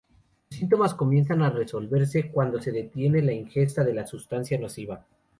Los síntomas comienzan a resolverse cuando se detiene la ingesta de la sustancia nociva.